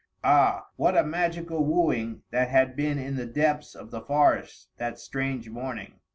Ah! what a magical wooing that had been in the depths of the forest, that strange morning!